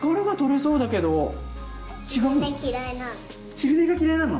昼寝嫌いなの。